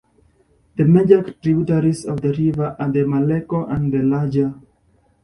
The major tributaries of the river are the Malleco and the Laja.